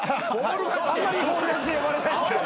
あんまりフォール勝ちで呼ばれないですけど。